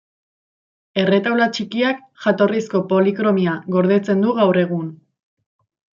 Erretaula txikiak jatorrizko polikromia gordetzen du gaur egun.